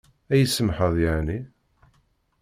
Ad yi-tsamḥeḍ yeɛni?